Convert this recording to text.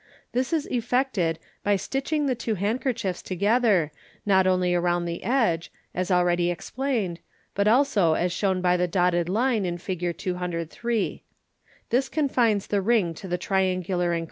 This is effected by stitching the 3Ti! m^m Fig. 203. two handkerchiefs to gether, not only round the edge, as already ex plained, but also as shown by the dotted line in Fig 203. This confines the ring to the triangular en.